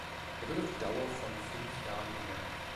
Er wird auf die Dauer von fünf Jahren gewählt.